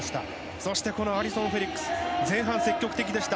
そしてこのアリソン・フェリックス前半、積極的でした。